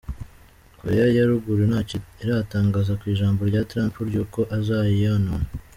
Koreya ya Ruguru ntacyo iratangaza ku ijambo rya Trump ry’ uko azayonona.